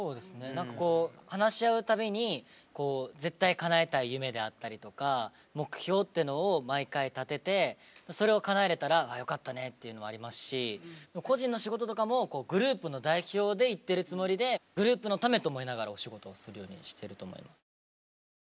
何かこう話し合う度にこう絶対かなえたい夢であったりとか目標ってのを毎回立ててそれをかなえれたら「よかったね」っていうのもありますし個人の仕事とかもグループの代表で行ってるつもりでグループのためと思いながらお仕事をするようにしていると思います。